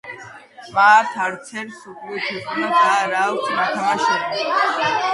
მათ არცერთ რაგბის მსოფლიო ჩემპიონატზე არ აქვთ ნათამაშები.